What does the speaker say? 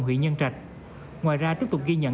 huyện nhân trạch ngoài ra tiếp tục ghi nhận